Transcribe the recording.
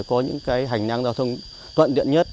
có những cái hành năng giao thông toàn diện nhất